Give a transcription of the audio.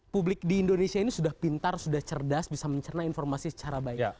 publik di indonesia ini sudah pintar sudah cerdas bisa mencerna informasi secara baik